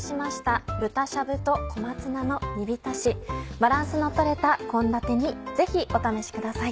バランスの取れた献立にぜひお試しください。